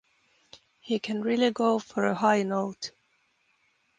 He can really go for a high note.